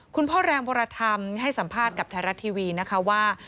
คุณพ่อแรงบวรธรรมให้สัมภาษณ์กับไทยรัฐทีวีนะคะว่า